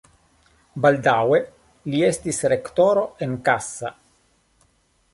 Baldaŭe li estis rektoro en Kassa.